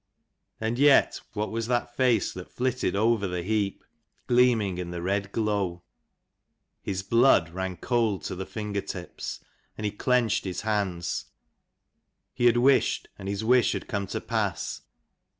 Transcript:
And yet, what was 218 that face that flitted over the heap, gleaming in the red glow ? His blood ran cold to the finger tips, and he clenched his hands. He had wished, and his wish had come to pass.